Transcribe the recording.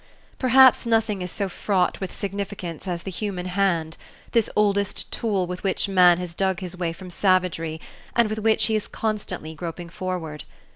Perhaps nothing is so fraught with significance as the human hand, this oldest tool with which man has dug his way from savagery, and with which he is constantly groping forward.